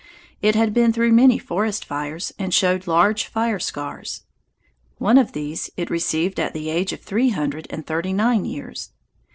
It had been through many forest fires and showed large fire scars. One of these it received at the age of three hundred and thirty nine years.